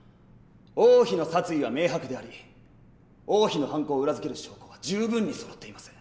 王妃の殺意は明白であり王妃の犯行を裏付ける証拠は十分にそろっています。